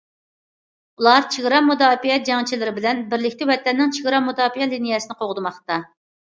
ئۇلار چېگرا مۇداپىئە جەڭچىلىرى بىلەن بىرلىكتە ۋەتەننىڭ چېگرا مۇداپىئە لىنىيەسىنى قوغدىماقتا.